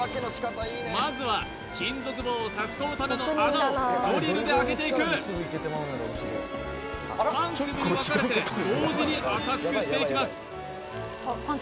まずは金属棒を差し込むための穴をドリルで開けていく３組に分かれて同時にアタックしていきます